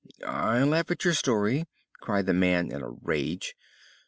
"I laugh at your story," cried the man in a rage.